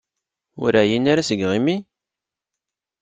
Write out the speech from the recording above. Ur εyin ara seg yiɣimi?